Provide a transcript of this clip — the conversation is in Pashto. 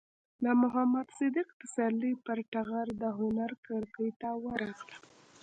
د محمد صدیق پسرلي پر ټغر د هنر کړکۍ ته ورغلم.